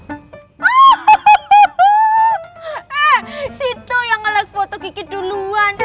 eh si itu yang nge like foto kiki duluan